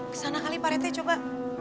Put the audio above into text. kesana kali pak reti coba